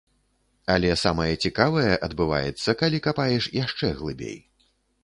Але самае цікавае адбываецца калі капаеш яшчэ глыбей.